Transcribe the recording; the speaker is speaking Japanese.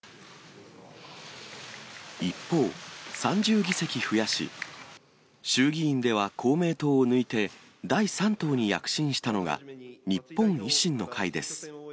一方、３０議席増やし、衆議院では公明党を抜いて、第３党に躍進したのが、日本維新の会です。